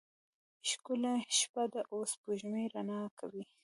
ښکلی شپه ده او سپوږمۍ رڼا کوي.